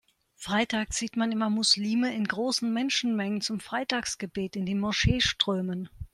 Freitags sieht man immer Muslime in großen Menschenmengen zum Freitagsgebet in die Moschee strömen.